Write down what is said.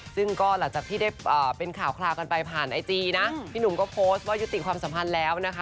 ซึ่งก็หลังจากที่ได้เป็นข่าวคลาวกันไปผ่านไอจีนะพี่หนุ่มก็โพสต์ว่ายุติความสัมพันธ์แล้วนะคะ